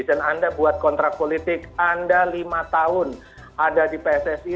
dan anda buat kontrak politik anda lima tahun ada di pssi